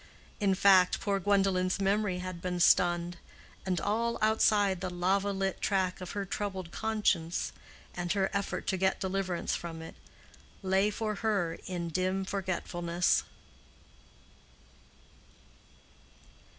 In fact poor Gwendolen's memory had been stunned, and all outside the lava lit track of her troubled conscience, and her effort to get deliverance from it, lay for her in dim forgetfulness.